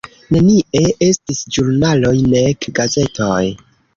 Nenie estis ĵurnaloj, nek gazetoj.